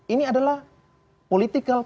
ini adalah political